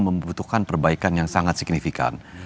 membutuhkan perbaikan yang sangat signifikan